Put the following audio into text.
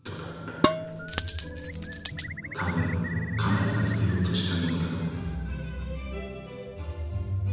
たぶん家内が捨てようとしたものだろう」。